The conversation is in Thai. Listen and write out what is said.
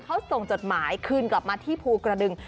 เขาส่งจดหมายคืนกลับมาที่ภูกระดึง